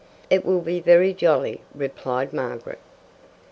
"It will be very jolly," replied Margaret.